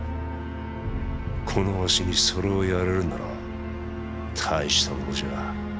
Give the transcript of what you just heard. このわしにそれをやれるなら大した者じゃ。